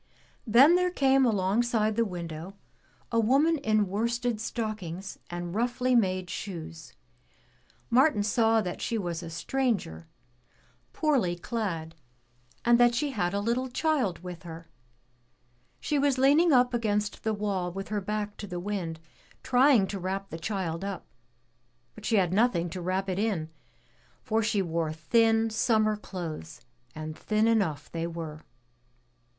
Then there came alongside the window a woman in worsted stockings and roughly made shoes. Martin saw that she was a stranger, poorly clad, and that 198 THE TREASURE CHEST she had a little child with her. She was leaning up against the wall with her back to the wind, trying to wrap the child up, but she had nothing to wrap it in, for she wore thin, summer clothes, and thin enough they were.